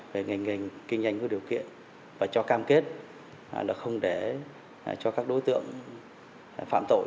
về ngành nghề kinh doanh có điều kiện và cho cam kết không để cho các đối tượng phạm tội